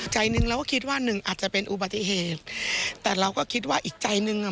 ใจหนึ่งเราก็คิดว่าหนึ่งอาจจะเป็นอุบัติเหตุแต่เราก็คิดว่าอีกใจหนึ่งอ่ะ